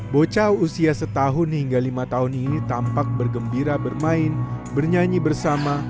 bocah usia setahun hingga lima tahun ini tampak bergembira bermain bernyanyi bersama